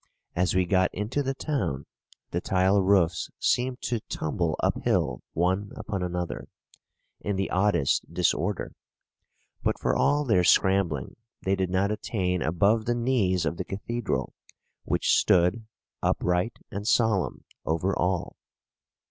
As we got into the town, the tile roofs seemed to tumble uphill one upon another, in the oddest disorder; but for all their scrambling, they did not attain above the knees of the cathedral, which stood, upright and solemn, over all.